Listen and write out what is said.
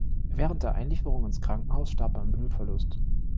Während der Einlieferung ins Krankenhaus starb er an Blutverlust.